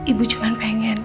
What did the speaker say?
ibu cuman pengen